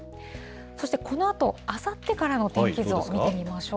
そしてこのあと、あさってからの天気図を見てみましょう。